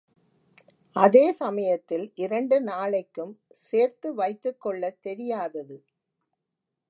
அதே சமயத்தில் இரண்டு நாளைக்கும் சேர்த்து வைத்துக் கொள்ளத்தெரியாதது.